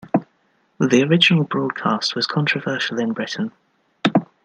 The original broadcast was controversial in Britain.